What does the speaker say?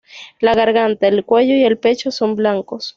La garganta, el cuello y el pecho son blancos.